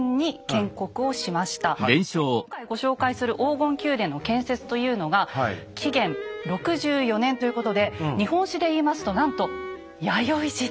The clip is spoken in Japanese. で今回ご紹介する黄金宮殿の建設というのが紀元６４年ということで日本史で言いますとなんと弥生時代。